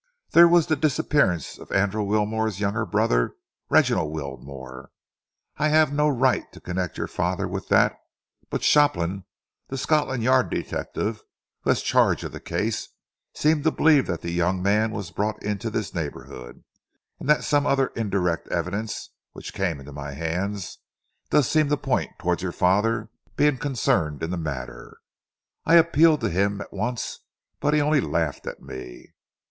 "There was the disappearance of Andrew Wilmore's younger brother, Reginald Wilmore. I have no right to connect your father with that, but Shopland, the Scotland Yard detective, who has charge of the case, seems to believe that the young man was brought into this neighbourhood, and some other indirect evidence which came into my hands does seem to point towards your father being concerned in the matter. I appealed to him at once but he only laughed at me.